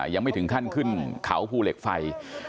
ยังไม่ถึงขั้นขึ้นเขาภูเหล็กไฟ